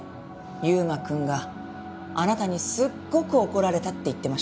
雄馬くんがあなたにすっごく怒られたって言ってました。